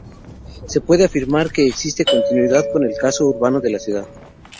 Se puede afirmar que existe continuidad con el casco urbano de la ciudad.